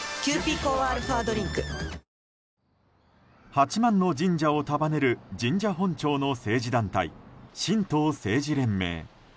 ８万の神社を束ねる神社本庁の政治団体、神道政治連盟。